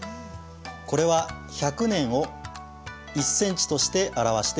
これは１００年を１センチとして表しています。